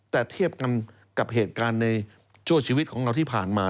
แต่เทียบกันกับเหตุการณ์ในชั่วชีวิตของเราที่ผ่านมา